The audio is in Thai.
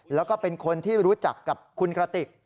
แล้วก็เป็นคนที่รู้จักกับคุณกระติก